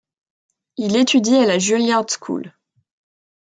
Il étudie à la Juilliard School.